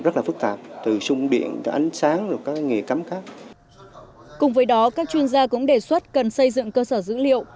cùng với đó các chuyên gia cũng đề xuất cần xây dựng cơ sở dữ liệu